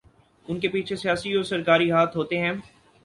انکے پیچھے سیاسی و سرکاری ہاتھ ہوتے ہیں